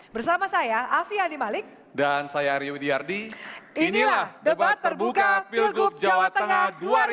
bersama saya afi animalik dan saya aryo diardi inilah debat terbuka pilgub jawa tengah dua ribu delapan belas